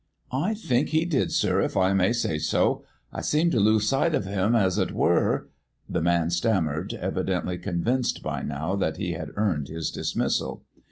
"I think he did, sir, if I may say so. I seemed to lose sight of him, as it were " The man stammered, evidently convinced by now that he had earned his dismissal.